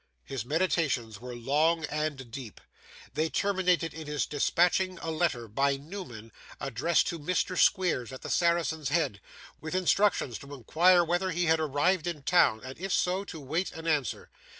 His meditations were long and deep. They terminated in his dispatching a letter by Newman, addressed to Mr. Squeers at the Saracen's Head, with instructions to inquire whether he had arrived in town, and, if so, to wait an answer.